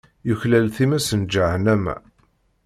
Yuklal times n Ǧahennama.